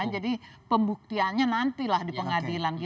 jadi pembuktiannya nantilah di pengadilan